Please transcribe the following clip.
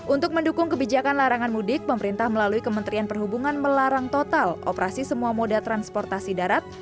untuk mendukung kebijakan larangan mudik pemerintah melalui kementerian perhubungan melarang total operasi semua moda transportasi darat